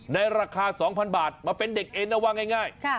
ในราคา๒๐๐๐บาทมาเป็นเด็กเอ็นเอาว่าง่าย